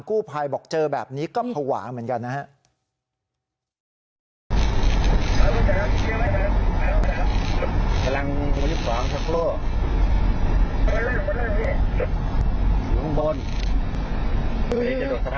กู้ภัยบอกเจอแบบนี้ก็ภาวะเหมือนกันนะครับ